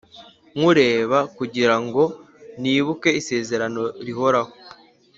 nywureba kugira ngo nibuke isezerano rihoraho